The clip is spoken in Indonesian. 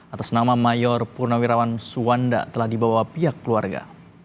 atas nama mayor purnawirawan suwanda telah dibawa pihak keluarga